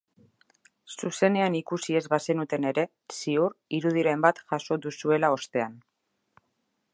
Zuzenean ikusi ez bazenuten ere, ziur, irudiren bat jaso duzuela ostean.